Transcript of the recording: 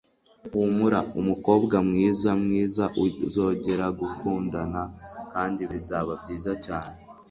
humura, mukobwa mwiza, mwiza uzongera gukundana kandi bizaba byiza cyane